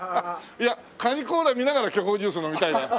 いやカニ・コーラ見ながら巨峰ジュース飲みたいね。